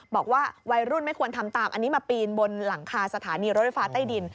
บอกว่าวัยรุ่นไม่ควรทำตามอันนี้มาปีนบนหลังคาสถานีรถไฟฟ้าใต้ดิน